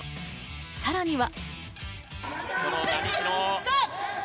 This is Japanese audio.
さらには。